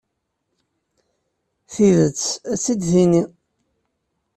Tidet, ad tt-id-tini.